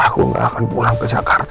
aku nggak akan pulang ke jakarta